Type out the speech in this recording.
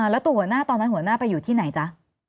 แล้วตัวหัวหน้าตอนนั้นหัวหน้าไปอยู่ที่ไหนจ๊ะ